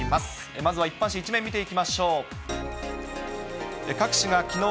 まずは一般紙、１面を見ていきましょう。